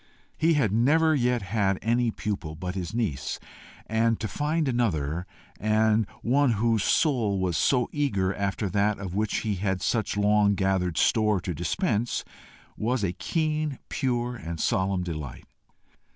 He had never yet had any pupil but his niece, and to find another, and one whose soul was so eager after that of which he had such long gathered store to dispense, was a keen, pure, and solemn delight.